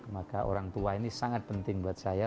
maka orang tua ini sangat penting buat saya